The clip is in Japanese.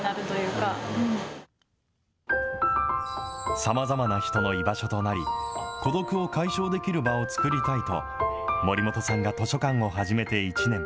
さまざまな人の居場所となり、孤独を解消できる場を作りたいと、守本さんが図書館を始めて１年。